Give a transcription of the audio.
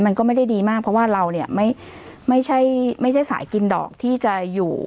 มันก็ไม่ได้ดีมากเพราะว่าเราเนี่ยไม่ใช่สายกินดอกที่จะอยู่